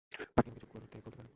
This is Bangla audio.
আপনি আমাকে চুপ করতে বলতে পারেন।